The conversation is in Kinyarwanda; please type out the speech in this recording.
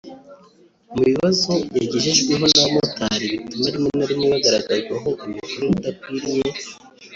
Mu bibazo yagejejweho n’abamotari bituma rimwe na rimwe bagaragarwaho imikorere idakwiye